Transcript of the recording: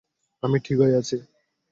আমি ঠিকই আছি।